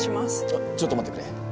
あっちょっと待ってくれ。